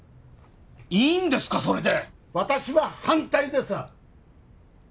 いいんですかそれで私は反対です！